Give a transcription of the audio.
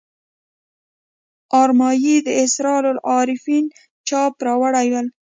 ارمایي د اسرار العارفین چاپه راوړي ول.